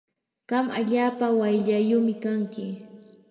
qam allaapa wayllaayumi kanki.